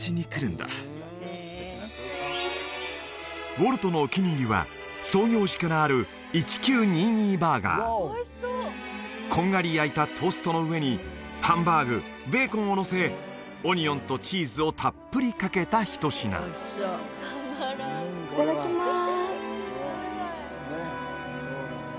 ウォルトのお気に入りは創業時からあるこんがり焼いたトーストの上にハンバーグベーコンをのせオニオンとチーズをたっぷりかけたひと品いただきます